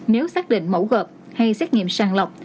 nếu xác định mẫu gợp hay xét nghiệm sàng lọc